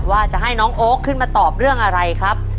ว่าจะให้น้องโอ๊คขึ้นมาตอบเรื่องอะไรครับ